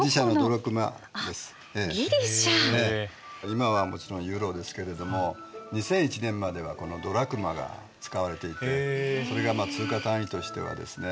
今はもちろんユーロですけれども２００１年まではこのドラクマが使われていてそれが通貨単位としてはですね紀元前から使われてたんです。